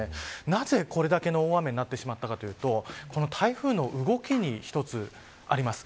なぜ、これだけの大雨になってしまったかというとこの台風の動きに一つあります。